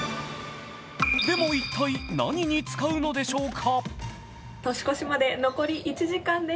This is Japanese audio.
でも一体、何に使うのでしょうか。